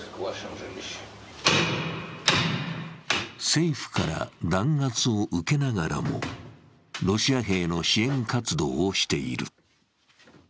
政府から弾圧を受けながらもロシア兵の支援活動をしている。